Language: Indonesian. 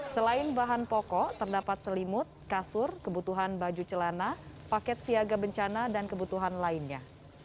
selain bahan pokok terdapat selimut kasur kebutuhan baju celana paket siaga bencana dan kebutuhan lainnya